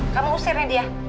kamu usirnya dia